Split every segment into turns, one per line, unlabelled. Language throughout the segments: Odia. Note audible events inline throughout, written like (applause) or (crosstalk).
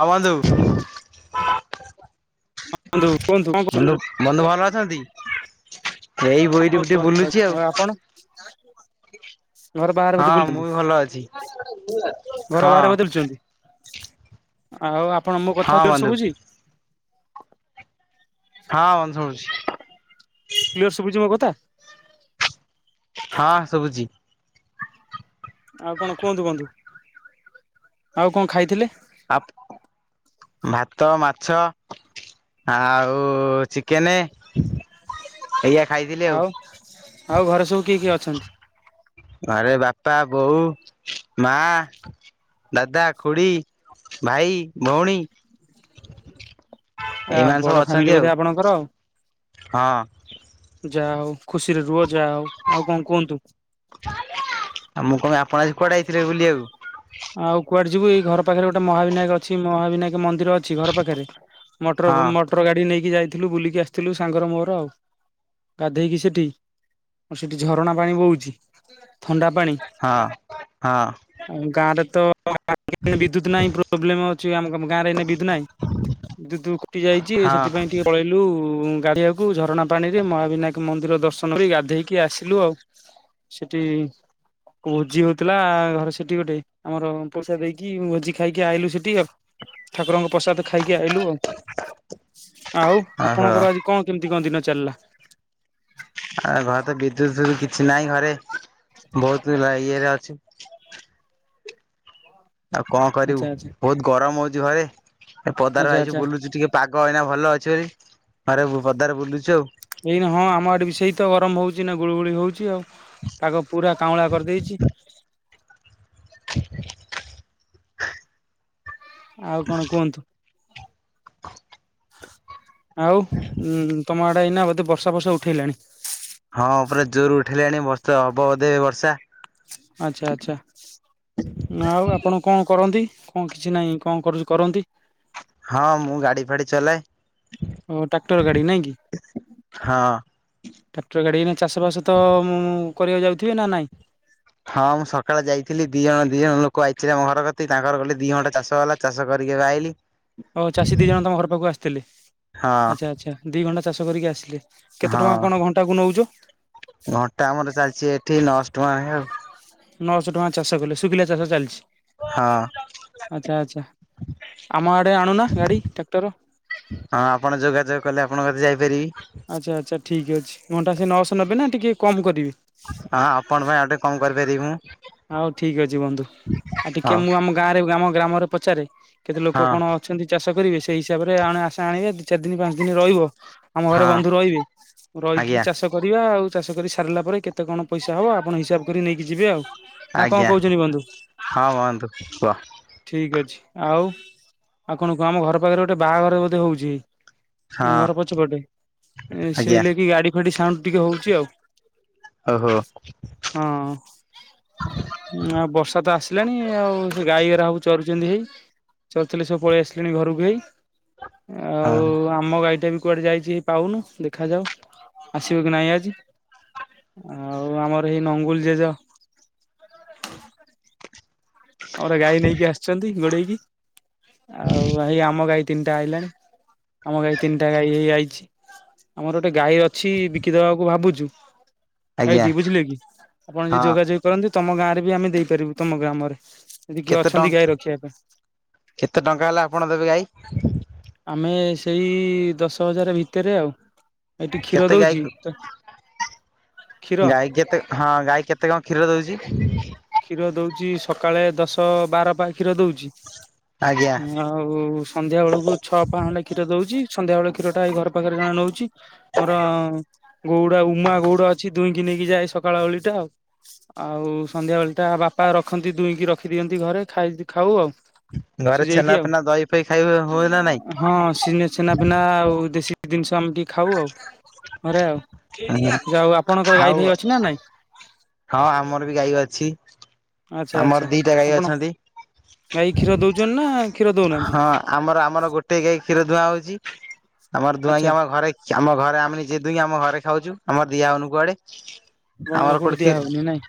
ହଁ ବନ୍ଧୁ।
କୁହନ୍ତୁ କୁହନ୍ତୁ କଣ କହୁଛନ୍ତି।
ବନ୍ଧୁ ବନ୍ଧୁ ଭଲ ଅଛନ୍ତି। ଏଇ ବୋଇଠି ଟିକେ ବୁଲୁଛି
ଆଉ ଆପଣ? ଘର ବାହାରେ ବୋଧେ
ହଁ ମୁଁ
ବୁଲୁଛନ୍ତି
ବି ଭଲ ଅଛି
ଘର
ହଁ
ବାହାରେ ବୋଧେ ବୁଲୁଛନ୍ତି। ଆଉ ଆପଣ ମୋ
ହଁ
କଥା କ୍ଲିୟର
ବନ୍ଧୁ
ଶୁବୁଛି?
ହଁ ବନ୍ଧୁ ଶୁଭୁଛି।
କ୍ଲିୟର ଶୁଭୁଛି ମୋ କଥା।
ହଁ ଶୁଭୁଛି।
ଆଉ କଣ କୁହନ୍ତୁ ବନ୍ଧୁ ଆଉ କଣ ଖାଇଥିଲେ?
ଆପ ଭାତ ମାଛ। ଆଉ ଚିକେନ ଏଇଆ।
ଆଉ ଆଉ ଘରେ ସବୁ କିଏ କିଏ ଅଛନ୍ତି?
ଘରେ ବାପା ବୋଉ ମା। ଦାଦା ଖୁଡି ଭାଇ ଭଉଣୀ।
ଆ
ଏଇମାନେ ସବୁ
ବଡ
ଅଛନ୍ତି
ଫ୍ୟାମିଲି
ଆଉ
ବୋଧେ ଆପଣଙ୍କର ଆଉ।
ହଁ
ଯାହା ହଉ ଖୁସିରେ ରୁହ ଯାହା ହଉ ଆଉ କଣ କୁହନ୍ତୁ?
ଆଉ ମୁଁ କଣି ଆପଣ ଆଜି କୁଆଡେ ଯଇଥିଲେ ବୁଲି ବାକୁ।
ଆଉ କୁଆଡେ ଯିବୁ ଏଇ ଘର ପାଖରେ ଗୋଟେ ମହାବିନାୟକ ଅଛି ମହାବିନାୟକ ମନ୍ଦିର ଅଛି ଘର ପାଖରେ। ମଟର
ହଁ
ମଟର ଗାଡି ନେଇକି ଯାଇଥିଲୁ ବୁଲିକି ଆସିଥିଲୁ ସାଙ୍ଗର ମୋର ଆଉ। ଗାଧେଇକି ସେଠି ଆର ସେଠି ଝରଣା ପାଣି ବହୁଛି ଥଣ୍ଡା ପାଣି।
ହଁ ହଁ।
ଗାଁରେ ତ ବିଦ୍ୟୁତ ନାହିଁ ପ୍ରୋବ୍ଲେମ ଅଛି ଆମ ଗାଁରେ ଏ ବିଦ୍ୟୁତ ନାହିଁ। ଦୁ ଦୁକ୍ତି ଯାଇଛି
ହଁ
ସେଥିପାଇଁ ଟିକେ ପଳେଇଲୁ ଗାଧୋଇବାକୁ ଝରଣା ପାଣି ରେ ମହାବିନାୟକ ମନ୍ଦିର ଦର୍ଶନ କରି ଗାଧେଇକି ଆସିଲୁ ଆଉ। ସେଠି ଭୋଜି ହଉଥିଲା ଘରେ ସେଠି ଗୋଟେ। ଆମର ପଇସା ଦେଇକି ଭୋଜି ଖାଇକି ଆଇଲୁ ସେଠି ଆଉ ଠାକୁରଙ୍କ ପସାଦ ଖାଇକି ଆଇଲୁ ଆଉ ଆଉ
ଓହୋ
ଆପଣଙ୍କର ଆଜି କଣ କେମିତି କଣ ଦିନ ଚାଲିଲା?
ଆ ଘରେ ତ ବିଦ୍ୟୁତ କିଛି ନାହିଁ ଘରେ ବହୁତ ଇଏରେ ଅଛି। ଆଉ କଣ
ଆଚ୍ଛା
କରିବୁ
ଆଚ୍ଛା
ବହୁତ ଗରମ ହଉଛି ଘରେ ଏ ପଦାର
ଆଚ୍ଛା
ଆଇଛି
ଆଚ୍ଛା
ବୁଲୁଚୁ ଟିକେ। ପାଗ ଅଇନା ଭଲ ଅଛି ବୋଲିରି ଘରେ ପଦାରେ ବୁଲୁଚୁ ଆଉ।
ଏଇ ହଁ ଆମ ଆଡେ ବି ସେଇ ତ ଗରମ ହଉଛି ନା ଗୁଳଗୁଳି ହଉଛି ଆଉ। ତାକୁ ପୁରା କାଉଁଳା କରିଦେଇଛି। ଆଉ କଣ କୁହନ୍ତୁ? ଆଉଁ ତମ ଆଡେ ଏଇନା ବୋଧେ ବର୍ଷା ଫର୍ଷା ଉଠେଇଲାଣି?
ହଁ ପୁରା ଜୋର ଉଠେଇଲାଣି ବସ୍ତେ ହବ ବୋଧେ ବର୍ଷା।
ଆଛା ଆଚ୍ଛା। ଆଉ ଆପଣ କଣ କରନ୍ତି କଣ କିଛି ନାହିଁ କଣ କରୁ କରନ୍ତି?
ହଁ ମୁଁ ଗାଡି ଫାଡି ଚଲାଏ।
ଓ ଟ୍ରାକ୍ଟର ଗାଡି ନାଇଁ କି?
ହଁ।
ଟ୍ରାକ୍ଟର ଗାଡ଼ି ଏଇନା ଚାଷବାସ ତ ମୁଁ କରିବାକୁ ଯାଉଥିବେ ନା ନାହିଁ।
ହଁ ମୁଁ ସକାଳେ ଯାଇଥିଲି ଦି ଜଣ ଦି ଜଣ ଲୋକ ଆଇଥିଲେ ମୋ ଘର କତିକି ତାଙ୍କ ଘର ଗଲେ ଦି ଘଣ୍ଟା ଚାଷ ହେଲା। ଚାଷ କରିକି ଏବେ ଆଇଲି।
ଓ ଚାଷୀ ଦିଇ ଜଣ ତମ ଘର ପାଖକୁ ଆସିଥିଲେ
ହଁ
ଆଚ୍ଛା ଆଚ୍ଛା ଦି ଘଣ୍ଟା ଚାଷ କରିକି ଆସିଲେ। କେତେ
ହଁ
ଟଙ୍କା କଣ ଘଣ୍ଟା କୁ ନଉଚ?
ଘଣ୍ଟା ଆମର ଚାଲିଛି ଏଠି ନଅଶ ଟଙ୍କା ନେଖେ ଆଉ।
ନଅଶହ ଟଙ୍କା ଚାଷ କଲେ ଶୁଖିଲା ଚାଷ ଚାଲିଛି।
ହଁ
ଆଚ୍ଛା ଆଛା ଆମ ଆଡେ ଆଣୁନା ଗାଡି ଟ୍ରାକ୍ଟର?
ହଁ ଆପଣ ଯୋଗାଯୋଗ କଲେ ଆପଣଙ୍କ କତିକି ଯାଇପାରିବି।
ଆଚ୍ଛା ଆଚ୍ଛା ଠିକ୍ ଅଛି ଘଣ୍ଟା ସେ ନଅଶହ ନେବେ ନା ଟିକିେ କମ୍ କରିବେ?
ହଁ ଆପଣ ପାଇଁ ଆଉ ଟିକେ କମ କରିପାରିବି ମୁ।
ଆଉ ଠିକ ଅଛି ବନ୍ଧୁ ଆଉ ଟିକେ
ହଉ
ମୁଁ ଆମ ଗାଁ ରେ ଆମ ଗ୍ରାମରେ ପଚାରେ କେତେ ଲୋକ
ହଁ
କଣ ଛନ୍ତି ଚାଷ କରିବେ ସେଇ ହିସାବରେ ଆେ ଆସା ଆଣିବେ ଦି ଚାରି ଦିନି ପାଞ୍ଚ ଦିନି ରହିବ। ଆମ ଘରେ
ହଁ।
ବନ୍ଧୁ ରହିବେ ରହିକି
ଆଜ୍ଞା
ଚାଷ କରିବା ଆଉ ଚାଷ କରି ସାରିଲା ପରେ କେତେ କଣ ପଇସା ହେବ ଆପଣ ହିସାବ କରିକି ନେଇକି ଯିବେ ଆଉ। ନା କଣ
ଆଜ୍ଞା।
କହୁଛନ୍ତି ବନ୍ଧୁ
ହଁ ବନ୍ଧୁ କୁହ
ଠିକ୍ ଅଛି ଆଉ ଆଉ କଣ କୁହ ଆମ ଘର ପାଖରେ ଗୋଟେ ବାହାଘର ବୋଧେ ହଉଛି,
ହଁ
ଆମ ଘର ପଛପଟେ ସେ
ଆଜ୍ଞା
ଲାଗି ଗାଡି ଫାଡି ସାଉଣ୍ଡ ଟିକେ ହଉଛି ଆଉ
ଓ ହୋ
ହଁ। ହଁ ଆଉ ବର୍ଷା ତ ଆସିଲାଣି ଆଉ ସେ ଗାଈଗରା ଚରୁଛନ୍ତି ହେଇ ଚରୁ ଥିଲେ ସବୁ ପଳେଇ ଆସିଲିଣି ଘରକୁ ହେଇ
ହଁ
ଆଉ ଆ ଆମ ଗାଈଟା ବି କୁଆଡେ ଯାଇଛି ପାଉନୁ ଦେଖାଯାଉ ଆସିବ କି ନାଇଁ ଆଜି ଆଉ ଆମର ଏଇ ନଙ୍ଗୁଲି ଜେଜ ଆମର ଗାଈ ନେଇକି ଆସିଛନ୍ତି ଗୋଡେଇକି ଆଉ ଭାଇ ଆମ ଗାଈ ତିନିଟା ଆଇଲାନି ଆମ ଗାଈ ତିନିଟା ଗାଈ ହେଇଯାଇଛି ଆମର ଗୋଟେ ଗାଈର ଅଛି ବିକିଦବାକୁ ଭାବୁଛୁ,
ଆଜ୍ଞା
ଏଇଠି ବୁଝିଲେ କି ଆପଣ ଯ
ହଁ
ଯୋଗାଯୋଗ କରନ୍ତି ତମ ଗାଁରେ ବି ଆମେ ଦେଇପାରିବୁ ତମ ଗ୍ରାମରେ ଯଦି କିଏ
କେତେ ଟ
ଅଛନ୍ତି ଗାଈ ରଖିବା ପାଇଁ
କେତେ ଟଙ୍କା ହେଲେ ଆପଣ ଦେବେ ଗାଈ?
ଆମେ ସେଇ ଦଶ ହଜାର ଭିତରେ ଆଉ। ଏଠି କ୍ଷୀର
କେତେ ଗାଈ
ଦଉଛି? ତ କ୍ଷୀର,
ଗାଈ କେତେ ହଁ ଗାଈ କେତେ କଣ କ୍ଷୀର ଦଉଛି?
କ୍ଷୀର ଦଉଚି ସକାଳେ ଦଶ ବାର ପା କ୍ଷୀର ଦଉଛି
ଆଜ୍ଞା
ଆଉ ଆଉ ସନ୍ଧ୍ୟା ବେଳକୁ ଛଅ ପା ଖଣ୍ଡେ କ୍ଷୀର ଦଉଛି ସନ୍ଧ୍ୟାବେଳେ କ୍ଷୀର ଟା ଏଇ ଘର ପାଖରେ ଜଣେ ନେଉଛି ମୋର ଗଉଡା ଉମା ଗଉଡ ଅଛି ଦୁହିଁକି ନେଇକି ଯାଏ ସକାଳ ଓଳିଟା ଆଉ ଆଉ ସନ୍ଧ୍ୟା ବେଳେ ଟା ବାପା ରଖନ୍ତି ଦୁହିଁକି ରଖିଦିଅନ୍ତି ଘରେ ଖାଇ ଖାଉ ଆଉ
ଘରେ
ସିଝେଇକି
ଛେନା
ଆଉ
ଫେନା ଦହି ଫହି ଖାଇ ହୁଏ ନା ନାଇଁ?
ହଁ ସ ଛେନା ଫେନା ଆଉ ଦେଶୀ ଜିନିଷ ଆମେ ଟିକେ ଖାଉ ଆଉ ଘରେ ଆଉ
ନାଇଁ
ଯାହା ହେଉ ଆପଣଙ୍କର
ଆଉ
ଗାଈ ଭାଇ ଅଛି ନା ନାଇଁ?
ହଁ ଆମର ବି ଗାଈ ଅଛି।
ଆଚ୍ଛା ଆଚ୍ଛା
ଆମର ଦିଟା ଗାଈ
ଆପଣ
ଅଛନ୍ତି।
ଗାଈ କ୍ଷୀର ଦଉଛନ୍ତି ନା କ୍ଷୀର ଦଉନାହାନ୍ତି?
ହଁ ଆମର ଆମର ଗୋଟେ ଗାଈ କ୍ଷୀର ଧୂଆଁ ହଉଛି ଆମର ଧୂଆଁଇଁ
ଆଚ୍ଛା
ଆମ ଘରେ ଆମ ଘରେ ଆମେ ନିଜେ ଦୁଇ ହିଁ କି ଆମେ ଘରେ ଖାଉଛୁ ଆମର ଦିଆ ହେଉନି କୁଆଡେ।
ଆପଣଙ୍କର
ଆମର କୋଉଠି
ଦିଆ
କ୍ଷ
ହଉନି ନାଇଁ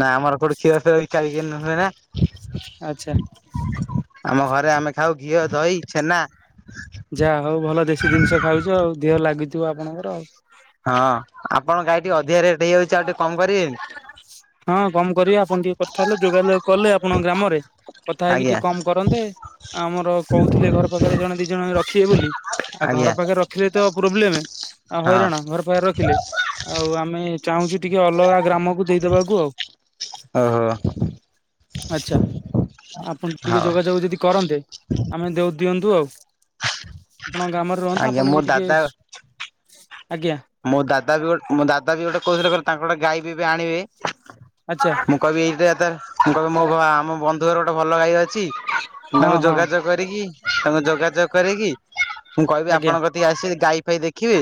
ନା ଆମର କୋଉଠି କ୍ଷୀର ଫିଆ ବିକା ହୁଏ ନା
ଆଚ୍ଛା!
ଆମ ଘରେ ଆମେ ଖାଉ ଘିଅ, ଦହି, ଛେନା
ଯାହା ହଉ ଭଲ ଦେଶୀ ଜିନିଷ ଖାଉଛ ଆଉ ଦେହ ଲାଗିଯିବ ଆପଣଙ୍କର ଆଉ
ହଁ ଆପଣଙ୍କ ଗାଈ ଟିକେ ଅଧିକା ରେଟ ହେଇଯାଉଛି ଆଉ ଟିକେ କମ କରିବେନି
ହଁ କମ କରିବା ଆପଣ ଟିକେ କଥା ହେଲେ ଯୋଗାଯୋଗ କଲେ ଆପଣଙ୍କ ଗ୍ରାମରେ କଥା ହେଇକି
ଆଜ୍ଞା
ଟିକେ କମ କରନ୍ତେ ଆ ଆମର କହୁଥିଲେ ଘର ପାଖରେ ଜଣେ ଦି ଜଣ ରଖିବେ ବୋଲି ଆଉ
ଆଜ୍ଞା
ଘର ପାଖରେ ରଖିଲେ ତ ପ୍ରୋବ୍ଲେମ ଆଉ
ହଁ
ହଇରାଣ ଘର ପାଖରେ ରଖିଲେ ଆଉ ଆମେ ଚାହୁଁଛୁ ଟିକେ ଅଲଗା ଗ୍ରାମକୁ ଦେଇଦବାକୁ ଆଉ
ଓହୋ।
ଆଛା ଆପଣ ଟିକେ
ହଉ
ଯୋଗାଯୋଗ ଯଦି କରନ୍ତେ ଆମେ ଯୋଗ ଦିଅନ୍ତୁ। ଆଉ ଆପଣ ଗ୍ରାମରେ ରୁହନ୍ତା
ଆଜ୍ଞା
ଆପଣ
ମୋ
ବି ଟିକେ
ଦାଦା
ଆଜ୍ଞା।
ମୋ ଦାଦା ବି ଗୋଟେ ମୋ ଦାଦ ବି ଗୋଟେ କହୁଥିଲେ ତାଙ୍କ ଗୋଟେ ଗାଈ ବି ଆଣିବେ
ଆଚ୍ଛା।
ମୁଁ କହିବି ଏଇଟା ତ କହିବି ମୋ ଆମ ବନ୍ଧୁ ଘର ଗୋଟେ ଭଲ ଗାଈ ଅଛି କ ମୁଁ
ହଁ
ତାଙ୍କୁ
ହଁ
ଯୋଗାଯୋଗ କରିକି ତାଙ୍କୁ ଯୋଗାଯୋଗ କରିକି ମୁଁ କହିବି
ଆଜ୍ଞା
ଆପଣଙ୍କ ଟିକେ ଆସିବି ଗାଈ ଫାଇ ଦେଖିବେ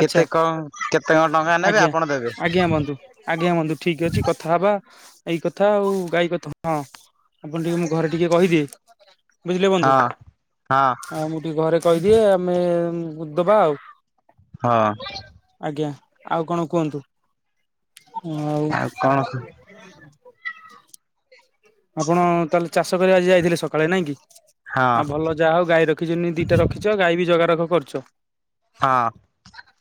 ଆଛା
କଣ କେତେ କଣ ଟଙ୍କା ନେବେ
ଆଜ୍ଞା
ଆପଣ ଦେବେ
ଆଜ୍ଞା ବନ୍ଧୁ। ଆଜ୍ଞା ବନ୍ଧୁ ଠିକ୍ ଅଛି କଥା ହବା ଏଇ କଥା ଆଉ ଗାଈ କଥା ହଁ ଆପଣ ଟିକେ ମୁଁ ଘରେ ଟିକେ କହିଦେ, ବୁଝିଲେ ବନ୍ଧୁ?
ହଁ ହଁ।
ଆଉ ମୁଁ ଟିକେ ଘରେ କହିଦିଏ ଆମେ ବୁଧବାର ଆଉ
ହଁ
ଆଜ୍ଞା, ଆଉ କଣ କୁହନ୍ତୁ? ଆଉ
କଣ?
ଆପଣ ତାହେଲେ ଚାଷ କରିବା ଆଜି ଯାଇଥିଲେ ସକାଳେ ନାଇଁ କି?
ହଁ
ଆଉ ଭଲ ଯାହା ହଉ ଗାଈର ଖିଜିନି ଦିଟା ରଖିଛ, ଗାଇ ବି ଜଗାରକୁ କରୁଛ।
ହାଁ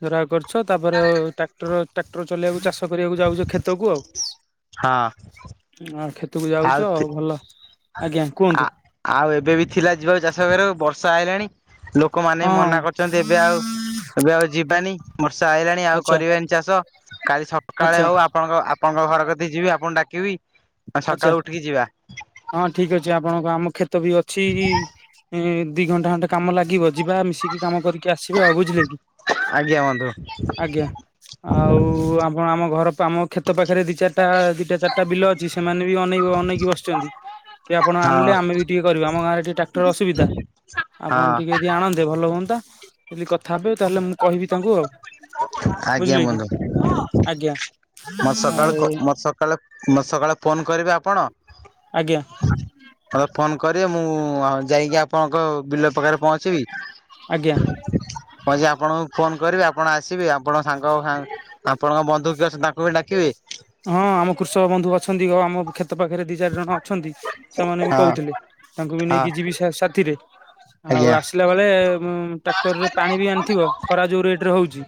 ହେରା କରିଛ ତାପରେ ଓଏ ଟ୍ରାକ୍ଟର ଟ୍ରାକ୍ଟର ଚଲେଇିବାକୁ ଚାଷ କରିବାକୁ ଯାଉଛ କ୍ଷେତକୁ ଆଉ,
ହଁ
ଆ କ୍ଷେତକୁ ଯାଉଛୁ ଆଉ ଭଲ। ଆଜ୍ଞା,
ଆ
କୁହନ୍ତୁ?
ଆଉ ଏବେ ବି ଥିଲା ଯିବାକୁ ଚାଷ କରିବାକୁ ବର୍ଷା ଆଇଲାଣି। ଲୋକମାନେ
ହଁ
ମନା କରୁଛନ୍ତି ଏବେ ଆଉ ଏବେ ଆଉ ଯିବାନି ବର୍ଷା ଆଇଲାଣି ଆଉ
ଆଚ୍ଛା
କରିବାନି ଚାଷ, କାଲି ସକାଳେ
ଆଚ୍ଛା
ହଉ ଆ ଆପଣଙ୍କ ଆପଣଙ୍କ ଘରକୁଟି ଯିବି ଆପଣଙ୍କୁ ଡାକିବି
ଆଚ୍ଛା
ସକାଳୁ ଉଠିକି ଯିବା।
ହଁ ଠିକ ଅଛି ଆପଣଙ୍କ ଆମ କ୍ଷେତ ବି ଅଛି ଇ ଦି ଘଣ୍ଟା ଖଣ୍ଡେ କାମ ଲାଗିବ ଯିବା ମିଶି ଏତିକି କାମ କରିକି ଆସିଵା ଆଉ ବୁଝିଲେ କି?
ଆଜ୍ଞା ବନ୍ଧୁ
ଆଜ୍ଞା। ଆଉ ଆପଣ ଆମ ଘର ଆମ କ୍ଷେତ ପାଖରେ ଦି ଚାରିଟା ଦିଟା ଚାରିଟା ବିଲ ଅଛ ଛି ସେମାନେ ବି ଅନେଇ ଅନେଇକି ବସିଛନ୍ତି। କି ଆପଣ
ହଁ
ଆଣିଲେ ଆମେ ବି ଟିକେ କରିଵା, ଆମ ଗାଁରେ ଟ୍ରାକ୍ଟର ଅସୁବିଧା। ଆପଣ
ହାଁ,
ଟିକେ ଯଦି ଆଣନ୍ତେ ଭଲ ହୁଅନ୍ତା, ଯଦି କଥା ହେବେ ତାହେଲେ ମୁଁ କହିବି ତାଙ୍କୁ ଆଉ।
ଆଜ୍ଞା
ବୁଝିଲେ କି
ବନ୍ଧୁ,
ଆଜ୍ଞା
ମୋ ସକାଳୁ କ
ଆଉ
ମୋ ସକାଳ ମୋତେ ସକାଳେ ଫୋନ୍ କରିବେ ଆପଣ।
ଆଜ୍ଞା।
ଅର ଫୋନ କରିବେ ମୁଁ ଯାଇକି ଆପଣଙ୍କ ବିଲ ପାଖରେ ପହଞ୍ଚିବି।
ଆଜ୍ଞା।
ଯଦି ଆପଣଙ୍କୁ ଫୋନ କରିବେ ଆ ଆପଣ ଆସିବେ ଆପଣଙ୍କ ସାଙ୍ଗ ସା ଆପଣଙ୍କ ବନ୍ଧୁ କିଏ ଅଛି ତାଙ୍କୁ ବି ଡାକିବି।
ହଁ ଆମ କୃଷକ ବନ୍ଧୁ ଅଛନ୍ତି ଵା ଆମ କ୍ଷେତ ପାଖରେ ଦି ଚାରି ଜଣ ଅଛନ୍ତି, ସେମାନେ ବି
ହଁ
କହୁଥିଲେ, ତାଙ୍କୁ ବି
ହଁ
ନେଇକି ଯିବି ସାଥିରେ। ଆଉ
ଆଜ୍ଞା
ଆସିଲା ବେଳେ ଉମ ଟ୍ରାକ୍ଟରରେ ପାଣି ବି ଆଣିଥିବ ଖରା ଯୋଉ ରେଟ ରେ ହଉଛି।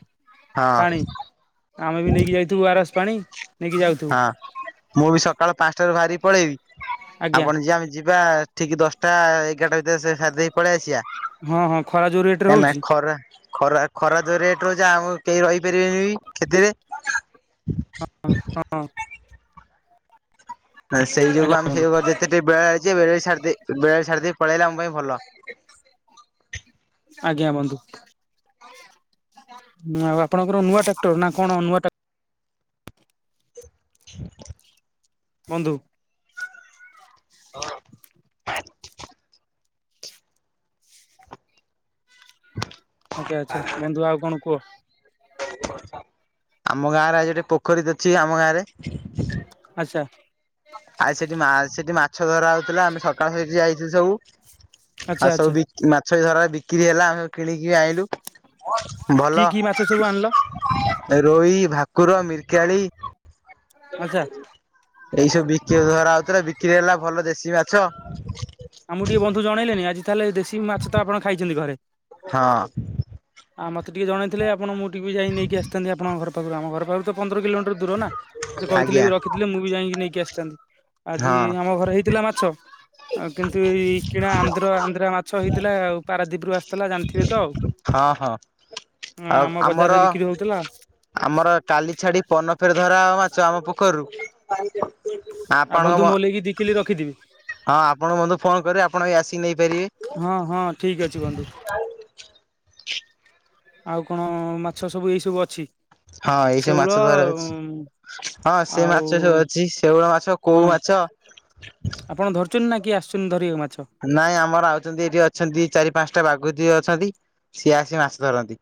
ହଁ
ପାଣି, ଆମେ ବି ନେଇକି ଯାଇଥିବୁ ଓ ଆର ଏସ ପାଣି ନେଇକି ଯାଉ
ହଁ। ମୁଁ ବି ସକାଳ ପାଞ୍ଚଟାରୁ ବାହାରିକି ପଳେଇବି,
ଆଜ୍ଞା
ଆପଣ ଯିବା ଆମେ ଯିବା ଠିକ ଦଶଟା ଏଗାରଟା ଭିତରେ ସେ ସାରିଦେଇ ପଳେଇ ଆସିବା।
ହଁ ହଁ ଖରା ଯୋଉ ରେଟ ରେ
କାହିଁକି ନା
ହଉଛି।
ଖରା ଖରା ଖରା ଯୋଉ ରେଟରେ ଯେ ଆଉ କେହି ରହିପାରିବେନି ଖେତିରେ।
ହଁ ହଁ ହୋ
ସେଇ ଯୋଗୁ
ଆଜ୍ଞା
ଆମେ
ବନ୍ଧୁ।
ହେବ ଯେତେବି ବେଳା ଅଛି ବେଳେ ସାରିଦେଇ ବେଳା ସାରିଦେଇ ପଳେଇଲା ଆମ ପାଇଁ ଭଲ।
ଆଜ୍ଞା ବନ୍ଧୁ। ଆଉ ଆପଣଙ୍କର ନୂଆ ଟ୍ରାକ୍ଟର, ନା କଣ? ନୂଆ ଟ୍ରାକ୍ଟ
ହ (inaudible)
ବନ୍ଧୁ।
ହ,
ଆଚ୍ଛା ଆଚ୍ଛା, ବନ୍ଧୁ ଆଉ କଣ କୁହ?
ଆମ ଗାଁରେ ଆଜି ଗୋଟେ ପୋଖରୀତ ଅଛି ଆମ ଗାଁରେ।
ଆଚ୍ଛା।
ଆଉ ସେଠି ମାଛ ସେଠି ମାଛ ଧରା ହଉଥିଲା ଆମେ ସକାଳୁ ସେଇଠି ଯାଇଥିଲୁ ସବୁ।
ଆଚ୍ଛା
ଆଉ ସବୁ
ଆଚ୍ଛା
ବି ମାଛ ଧରା ବିକ୍ରି ହେଲା ଆମେ ସବୁ କିଣିକି ଆଣିଲୁ।
କି
ଭଲ
କି ମାଛ ସବୁ ଆଣିଲ
ରୋହୀ, ଭାକୁର, ମିରିକାଳି
ଆଚ୍ଛା।
ଏଇସବୁ ବିକି ଧରା ହଉଥିଲା ବିକ୍ରି ହେଲା ଭଲ ଦେଶୀ ମାଛ।
ଆମକୁ ଟିକେ ବନ୍ଧୁ ଜଣେଇଲେନି ଆଜି ତାହଲେ ଦେଶୀ ମାଛ ତ ଆପଣ ଖାଇଛନ୍ତି ଘରେ।
ହଁ
ଆଉ ମତେ ଟିକେ ଜଣେଇଥିଲେ ଆପଣ ମୁଁ ଟିକେ ଯାଇ ନେଇକି ଆସିଥାନ୍ତି ଆପଣଙ୍କ ଘରପାଖରୁ ଆମ ଘର ପାଖକୁ। ପନ୍ଦର କିଲୋମିଟର ଦୂର ନା ସେ କହିଥିଲେ
ଆଜ୍ଞା
ବି ରଖିଥିଲେ ମୁଁ ବି ଯାଇକି ନେଇକି ଆସିଥାନ୍ତି। ଆଜି
ହଁ
ଆମ ଘରେ ହେଇଥିଲା ମାଛ। ଆଉ କିନ୍ତୁ ଏଇ କିଣା ଆନ୍ଦ୍ର ଆନ୍ଦ୍ରା ମାଛ ହେଇଥିଲା ଆଉ ପାରାଦ୍ୱୀପରୁ ଆସିଥିଲା ଜାଣିଥିବେ ତ ଆଉ।
ହଁ ହଁ
ହଁ
ଆଉ
ଆମ
ଆମର
ବଜାରରେ ବିକ୍ରି ହଉଥିଲା
ଆମର କାଲି ଛାଡି ପନ ଫେର ଧରା ମାଛ ଆମ ପୋଖରରୁ
ଆଉ ବନ୍ଧୁ ମୁଁ ନେଇକି ଦି କିଲ ରଖିଥିବି
ହଁ ଆପଣଙ୍କୁ ବଧୁ ଫୋନ କରି ଆପଣ ବି ଆସିି ନେଇପାରିବେ
ହଁ ହଁ ଠିକ ଅଛି ବନ୍ଧୁ ଆଉ କଣ ମାଛ ସବୁ ଏଇ ସବୁ ଅଛି
ହଁ ଏଇଛ
ଶେଉଳ
ମାଛ ଦ୍ୱାର ଅଛି ହଁ ସେ
ଆଉ
ମାଛ ସବୁ ଅଛି ଶଉଳ ମାଛ କୋଉ
ହଁ
ମାଛ
ଆପଣ ଧରୁଚଛନ୍ତି ନା କିଏ ଆସୁଛନ୍ତି ଧରିବ ମାଛ
ନାଇଁ ଆମର ଆଉଛନ୍ତି ଏଠି ଅଛନ୍ତି ଚାରି ପାଞ୍ଚଟା ବାଘୁତି ଅଛନ୍ତି ସିଏ ଆସି ମାଛ ଧରନ୍ତି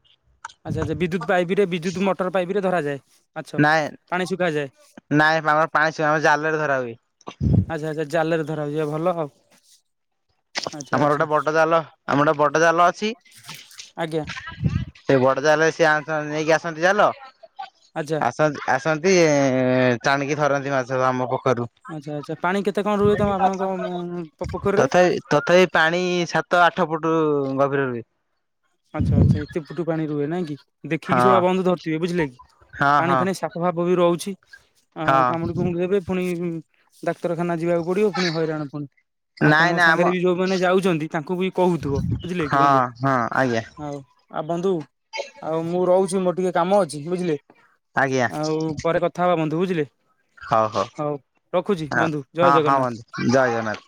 ଆଚ୍ଛା ଆଚ୍ଛ ବିଦ୍ୟୁତ ପାଇପ ରେ ବିଦ୍ୟୁ ମଟର ପାଇପରେ ଧରାାଏ
ନାଇଁ ନାଇଁ ଆମର ପାଣି ଛୁଇ ଆମ ଜାଲରେ ଧରା ହୁଏ
ଆଚ୍ଛା ଆଚ୍ଛାଲରେ ଧ ହବ ଯିବା ଭଲ ଆଉ ଆଚ୍ଛା
ଆମର
ଆଚ୍ଛା
ଗୋଟେ ବଡ ଜାଲ ଆମର ଗୋଟେ ବଡ ଜାଲ ଅଛି
ଆଜ୍ଞା
ସେ ବଡ ଜାଲରେ ସିଏ ନେଇକି ଆସନ୍ତି ଚାାଲ
ଆଜ୍ଛା
ଆ ଆସନ୍ତି ଟଣିକି ଥରନ୍ତି ମାଛ ଆମ ପୋଖରୁ
ଆଚ୍ଛା ଆଚ୍ଛା ପାଣି କେତେ କଣ ରୁହେ ତମ ଆପଣଙ୍କ ପୋଖରୀରେ
ତଥାପି ତଥାପି ପାଣି ସାତ ଆଠ ଫୁଟ ଗଭୀର ରୁଏ
ଆଚ୍ଛା ଆଚ୍ଛା ଏତେ ପୁଟୁ ପାଣି ରୁହେ ନହିଁ କି ଦେଖିକିବୁ
ହଁ
ବନ୍ଧ ଧରିଥିବେ ବୁଝିଲେ କି
ହଁ
ପାଣି
ହଁ
ଫ ପ୍ରଭାବ ବି ରହୁଛି ଆଉ
ହଁ
କାମୁଡି କୁାମୁଡି ଦେବେ ପୁଣି ଡାକ୍ତରଖାନା ଯିବାକୁ ପୁଡିବ ପୁଣି ହଇରାଣ ପୁଣି ଆଉ
ନାଇଁ
ତମ
ନାଇଁ ଆମ
ସାଙ୍ଗରେ ବି ଯୋଉମାନେ ଯାଉଛନ୍ତି ତାଙ୍କୁ ବି କହୁଥିବ ବୁଝିଲେ କି
ହଁ
ବନ୍ଧୁ
ହଁ ଆଜ୍ଞା
ହଉ ଆଉ ବନ୍ଧୁ ଆଉ ମୁଁ ରହୁଛି ମୋର ଟିକେ କାମ ଅଛି ବୁଝିଲେ
ଆଜ୍ଞା
ଆଉ ପରେ କଥା ହବା ବନ୍ଧୁ ବୁଝିଲେ ହଉ ରଖୁଛି ବନ୍ଧୁ ଜୟ ଜଗନ୍ନାଥ
ଜା ଜନାକ (inaudible)